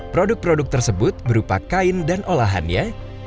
produk produk tersebut berupa kain dan olahannya